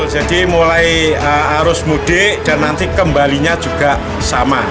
jadi mulai arus mudik dan nanti kembalinya juga sama